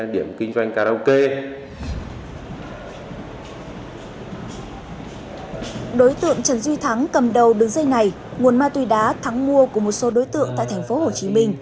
đối tượng trần duy thắng cầm đầu đường dây này nguồn ma túy đá thắng mua của một số đối tượng tại tp hcm